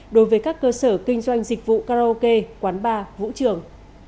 đối với các cơ sở kinh doanh dịch vụ karaoke quán bar vũ trường